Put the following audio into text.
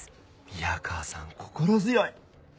宮川さん心強い。